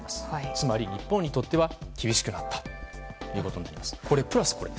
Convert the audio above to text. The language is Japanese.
つまり日本にとっては厳しくなったということになります。